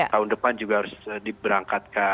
tahun depan juga harus diberangkatkan